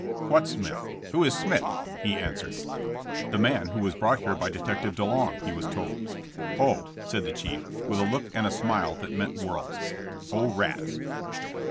''What Smith? Who is Smith?" he answered. The man who was brought here by Detective DeLong," he was told. *' Oh, '' said the chief, with a look and a smile that meant worlds, ''Oh, rats."